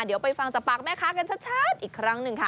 เดี๋ยวไปฟังจากปากแม่ค้ากันชัดอีกครั้งหนึ่งค่ะ